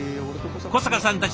小坂さんたち